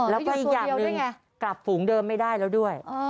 แล้วก็อีกอย่างหนึ่งกลับฝูงเดิมไม่ได้แล้วด้วย